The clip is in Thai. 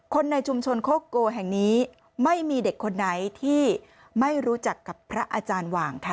ในชุมชนโคโกแห่งนี้ไม่มีเด็กคนไหนที่ไม่รู้จักกับพระอาจารย์หว่างค่ะ